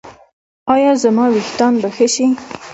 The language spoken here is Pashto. ایا زما ویښتان به ښه شي؟